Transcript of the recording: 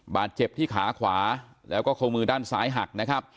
บาดเจ็บที่ขาขวาแล้วก็เข้ามือด้านสายหัก